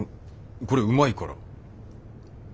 これうまいから。